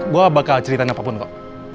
gue bakal cerita tentang apapun kok